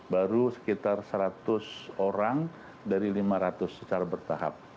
baru sekitar seratus orang dari lima ratus secara bertahap